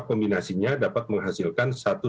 kombinasinya dapat menghasilkan satu